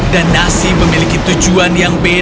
dan nasi memiliki tujuan yang benar